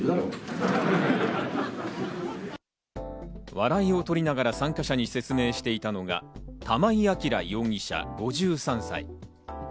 笑いをとりながら参加者に説明していたのが玉井暁容疑者、５３歳。